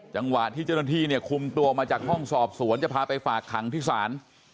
จังหวะที่เจ้าหน้าที่เนี่ยคุมตัวมาจากห้องสอบสวนจะพาไปฝากขังที่ศาล